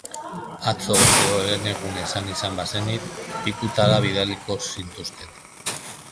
Atzo edo herenegun esan izan bazenit, pikutara bidaliko zintuzket.